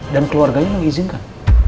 dan keluarganya mengizinkan